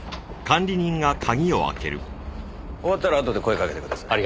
終わったらあとで声かけてください。